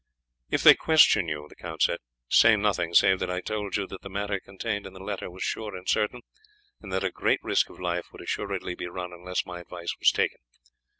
"If they question you," he said, "say nothing, save that I told you that the matter contained in the letter was sure and certain, and that a great risk of life would assuredly be run unless my advice was taken.